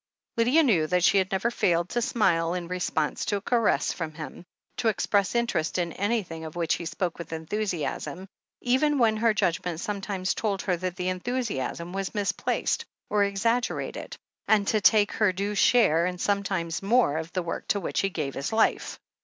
Lydia knew that she had never failed to smile in response to a caress from him, to express interest in an)rthing of which he spoke with enthusiasm, even when her judgment sometimes told her that the enthusiasm was misplaced, or exaggerated, and to take her due share, and sometimes more, of the work to which he gave his life.